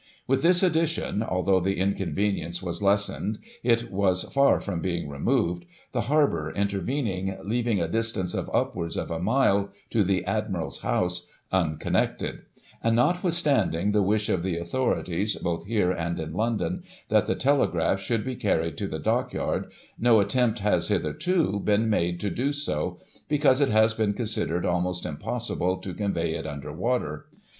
With this addition, although the inconvenience was lessened, it was far from being removed, the harbour intervening, leaving a distance of upwards of a mile, to the Admiral's house, un connected ; and, notwithstanding the wish of the authorities, both here and in London, that the telegraph should be carried to the Dockyard, no attempt has, hitherto, been made to do so, because it has been considered almost impossible to convey it under water.